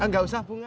gak usah bunga